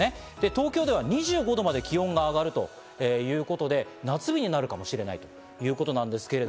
東京では２５度まで気温が上がるということで、夏日になるかもしれないということなんですけど。